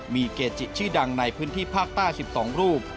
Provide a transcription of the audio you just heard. มีเกจิชื่อดังในพื้นที่ภาคใต้๑๒รูป